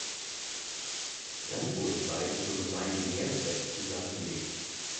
Dann wurden beide zur Gemeinde Jersbek zusammengelegt.